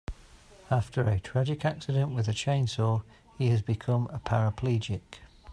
After a tragic accident with a chainsaw he has become a paraplegic.